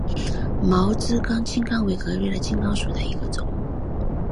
毛枝青冈为壳斗科青冈属下的一个种。